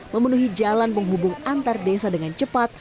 memenuhi jalan penghubung antar desa dengan cepat